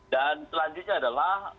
dan selanjutnya adalah